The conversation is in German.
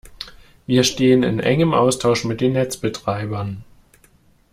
Wir stehen in engem Austausch mit den Netzbetreibern.